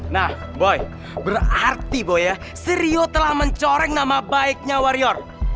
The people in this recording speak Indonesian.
nah boy berarti boy ya si ryo telah mencoreng nama baiknya wario